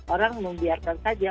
orang membiarkan saja